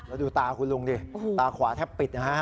แล้วดูตาคุณลุงดิตาขวาแทบปิดนะฮะ